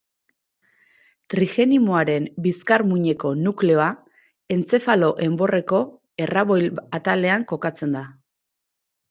Trigeminoaren bizkar-muineko nukleoa, entzefalo enborreko erraboil atalean kokatzen da.